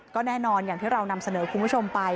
ก็แน่นอนอย่างที่เรานำเสนอคุณผู้ชมไป